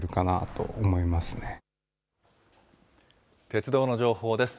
鉄道の情報です。